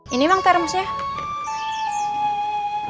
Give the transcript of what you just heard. ini mang tremosnya